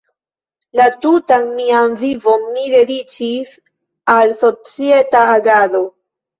La tutan mian vivon mi dediĉis al societa agado.